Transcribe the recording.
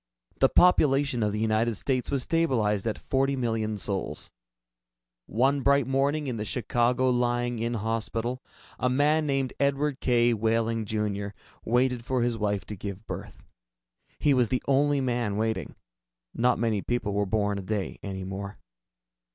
The population of the United States was stabilized at forty million souls. One bright morning in the Chicago Lying in Hospital, a man named Edward K. Wehling, Jr., waited for his wife to give birth. He was the only man waiting. Not many people were born a day any more.